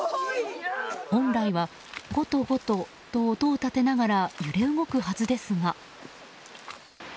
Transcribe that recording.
本来はゴトゴトと音を立てながら揺れ動くはずですが。